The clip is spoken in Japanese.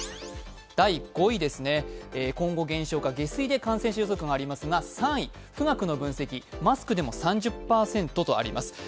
第５位、今後減少か、下水で感染者予測とありますが、３位、富岳の分析、マスクでも３０％とあります。